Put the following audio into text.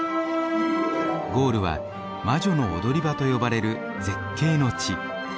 ゴールは魔女の踊り場と呼ばれる絶景の地。